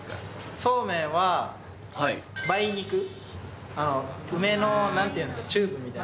そうめんは梅肉、梅のなんていうんですか、チューブみたいな。